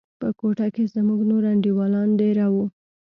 په كوټه کښې زموږ نور انډيوالان دېره وو.